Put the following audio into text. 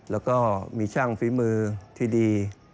แล้วก็มีช่างฝีมือที่ดี